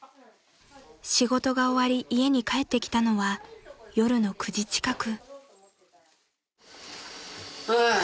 ［仕事が終わり家に帰ってきたのは夜の９時近く］